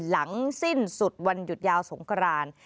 หลังสิ้นสุดวันหยุดยาวสงคราน